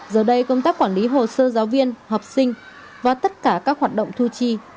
giờ đây công tác quản lý hồ sơ giáo viên học sinh và tất cả các hoạt động thu chi